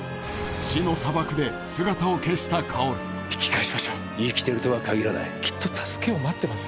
死の砂漠で姿を消した薫引き返しましょう生きてるとは限らないきっと助けを待ってます